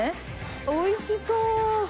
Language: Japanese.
おいしそう。